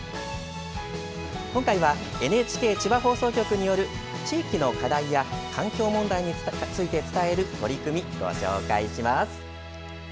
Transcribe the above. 今回はＮＨＫ千葉放送局による地域の課題や環境問題について伝える取り組み、ご紹介します。